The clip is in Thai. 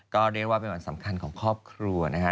ก็เรียกว่าเป็นวันสำคัญของครอบครัวนะฮะ